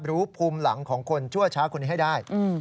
รู้ภูมิหลังของคนชั่วช้าคนนี้ให้ได้